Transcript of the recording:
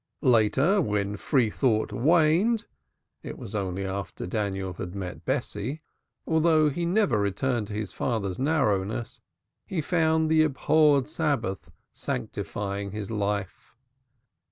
Later, when free thought waned (it was after Daniel had met Bessie), although he never returned to his father's narrowness, he found the abhorred Sabbath sanctifying his life.